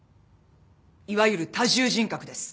いわゆる多重人格です。